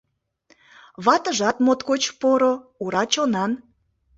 Ватыжат моткоч поро, ура чонан.